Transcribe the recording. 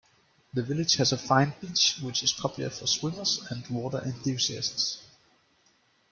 The village has a fine beach which is popular for swimmers and water enthusiasts.